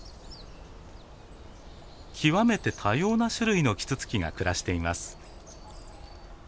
極めて多様な種類のキツツキが暮らしています。